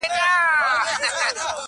سر مي جار له یاره ښه خو ټیټ دي نه وي,